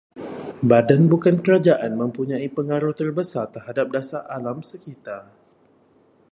Badan bukan kerajaan mempunyai pengaruh terbesar terhadap dasar alam sekitar